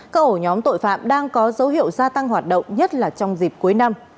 các ổ nhóm tội phạm đang có dấu hiệu gia tăng hoạt động nhất là trong dịp cuối năm